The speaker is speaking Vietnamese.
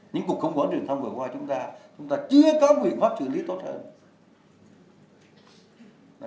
những cuộc khủng hoảng truyền thông vừa qua chúng ta chúng ta chưa có nguyện pháp truyền lý tốt hơn